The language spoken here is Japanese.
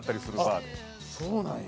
あっそうなんや。